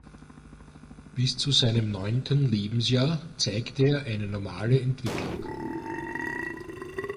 Bis zu seinem neunten Lebensjahr zeigte er eine normale Entwicklung.